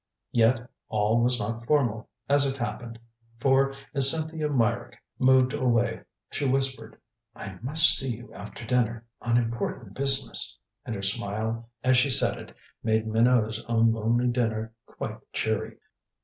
Yet all was not formal, as it happened. For as Cynthia Meyrick moved away, she whispered: "I must see you after dinner on important business." And her smile as she said it made Minot's own lonely dinner quite cheery.